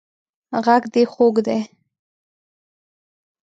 غږ دې خوږ دی